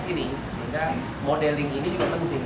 sehingga modeling ini juga penting